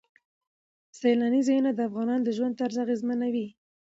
سیلانی ځایونه د افغانانو د ژوند طرز اغېزمنوي.